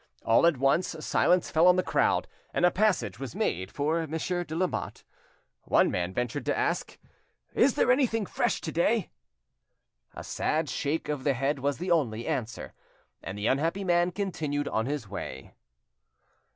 All at once silence fell on the crowd, and a passage was made for Monsieur de Lamotte. One man ventured to ask— "Is there anything fresh to day?" A sad shake of the head was the only answer, and the unhappy man continued his way.